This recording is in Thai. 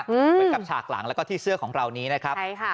เหมือนกับฉากหลังแล้วก็ที่เสื้อของเรานี้นะครับใช่ค่ะ